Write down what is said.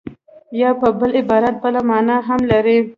یا په بل عبارت بله مانا هم لري